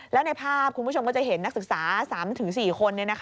แล้วในภาพคุณผู้ชมก็จะเห็นนักศึกษา๓๔คน